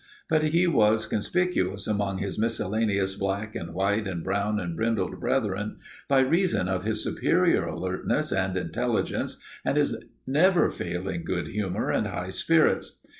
But he was conspicuous among his miscellaneous black and white and brown and brindled brethren by reason of his superior alertness and intelligence and his never failing good humor and high spirits.